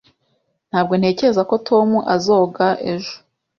Ntabwo ntekereza ko Tom azoga ejo.